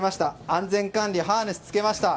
安全管理、ハーネスをつけました。